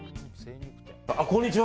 こんにちは。